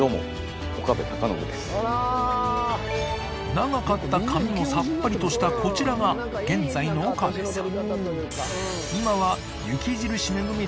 長かった髪もサッパリとしたこちらが現在の岡部さん